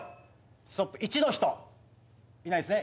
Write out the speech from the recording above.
ストップ１の人いないですね